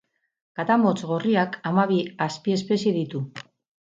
Katamotz gorriak hamabi azpiespezie ditu.